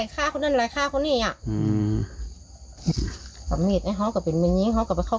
มันเมามามันมีอะไรทรายฆ่าเขานั่นอะไรฆ่าเขานี่อะ